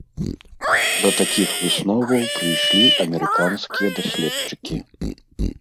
Да такіх высноваў прыйшлі амерыканскія даследчыкі.